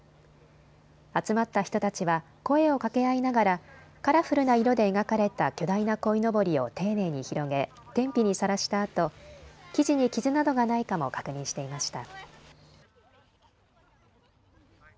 集まった人たちは声をかけ合いながらカラフルな色で描かれた巨大なこいのぼりを丁寧に広げ、天日にさらしたあと生地に傷などがないかも確認していました。